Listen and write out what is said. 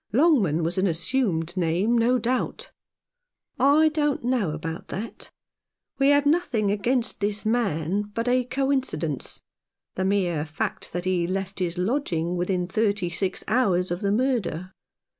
Longman was an assumed name, no doubt." "I don't know about that. We have nothing against this man but a coincidence — the mere fact that he left his lodging within thirty six hours of the murder.